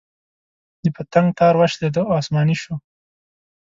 د پتنګ تار وشلېد او اسماني شو.